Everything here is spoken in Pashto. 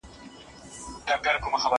زه به دلته قتل باسم د خپلوانو